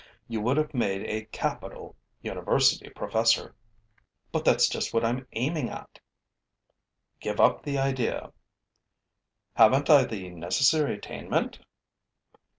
You would have made a capital university professor.' 'But that's just what I'm aiming at!' 'Give up the idea.' 'Haven't I the necessary attainment?'